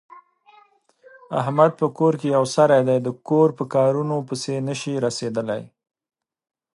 احمد په کور کې یو سری دی، د کور په کارنو پسې نشي رسېدلی.